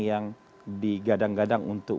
yang digadang gadang untuk